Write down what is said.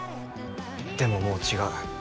でももう違う。